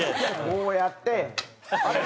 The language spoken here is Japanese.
こうやってあれ？